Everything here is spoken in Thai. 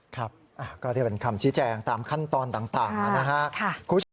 ครับก็เรียกเป็นคำชี้แจงตามขั้นตอนต่างนะครับ